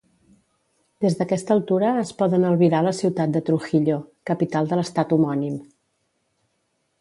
Des d'aquesta altura es poden albirar la ciutat de Trujillo, capital de l'estat homònim.